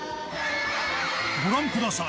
ご覧ください。